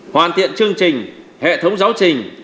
hoàn thiện chương trình hệ thống giáo trình